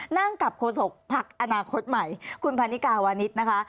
นั่งกับโฆษกภักดิ์อนาคตใหม่คุณพันนิกาวานิสนะคะ